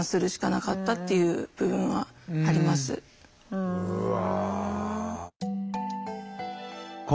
うわ。